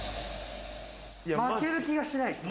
負ける気がしないっす。